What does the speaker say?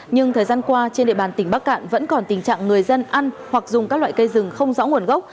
nhưng thời gian qua trên địa bàn tỉnh bắc cạn vẫn còn tình trạng người dân ăn hoặc dùng các loại cây rừng không rõ nguồn gốc